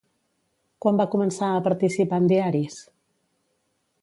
Quan va començar a participar en diaris?